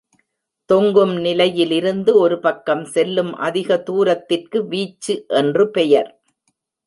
தொங்கும் நிலையிலிருந்து ஒருபக்கம் செல்லும் அதிக தூரத்திற்கு வீச்சு என்று பெயர்.